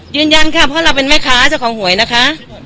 ยืนยันค่ะเพราะเราเป็นแม่ค้าเจ้าของหวยนะคะ